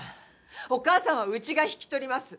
お義母さんはうちが引き取ります。